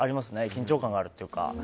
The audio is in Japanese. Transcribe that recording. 緊張感があるというか。